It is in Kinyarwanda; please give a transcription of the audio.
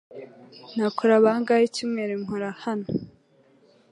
Nakora bangahe icyumweru nkora hano